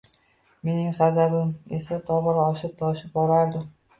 Mening g`azabim esa tobora oshib-toshib borardi